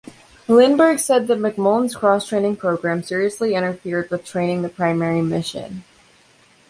Lindbergh said that McMullen's cross-training program seriously interfered with training the primary mission.